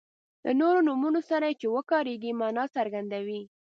له نورو نومونو سره چې وکاریږي معنا څرګندوي.